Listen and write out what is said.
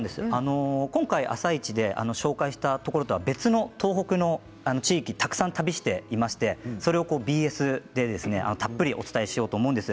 今回「あさイチ」で紹介したところとは別の東北の地域たくさん旅をしていてそれを、ＢＳでたっぷりお伝えしようと思います。